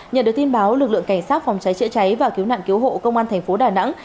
nhờ được tin báo lực lượng cảnh sát phòng cháy chữa cháy và cứu nạn cứu hộ công an tp đà nẵng